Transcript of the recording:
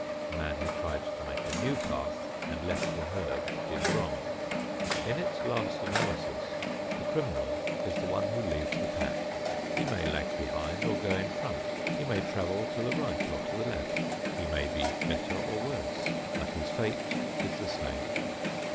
The man who tried to make a new path and left the herd did wrong. In its last analysis, the criminal is the one who leaves the pack. He may lag behind or go in front, he may travel to the right or to the left, he may be better or worse, but his fate is the same.